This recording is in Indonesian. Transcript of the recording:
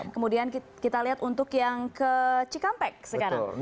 kemudian kita lihat untuk yang ke cikampek sekarang